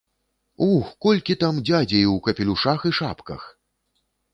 Ух, колькі там дзядзей у капелюшах і шапках!